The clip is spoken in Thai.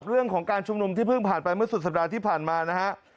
เรื่องของการชุมนุมที่เพิ่งผ่านไปเมื่อสุดสัปดาห์ที่ผ่านมานะฮะ